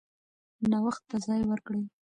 نوښت ته ځای ورکړئ.